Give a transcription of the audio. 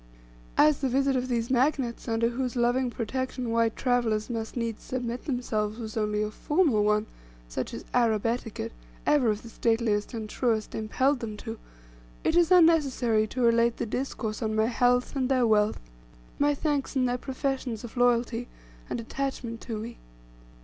As the visit of these magnates, under whose loving protection white travellers must needs submit themselves, was only a formal one, such as Arab etiquette, ever of the stateliest and truest, impelled them to, it is unnecessary to relate the discourse on my health, and their wealth, my thanks, and their professions of loyalty, and attachment to me.